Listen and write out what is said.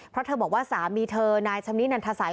เพราะเธอบอกว่าสามีเธอนายชำนินันทสัย